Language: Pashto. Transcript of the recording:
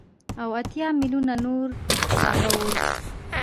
او اتيا ميليونه نور هغه وو.